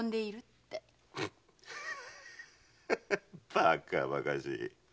バカバカしい。